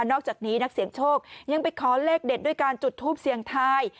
อกจากนี้นักเสียงโชคยังไปขอเลขเด็ดด้วยการจุดทูปเสียงทาย